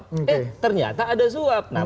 eh ternyata ada suap